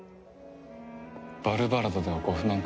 ヴァルバラドではご不満か？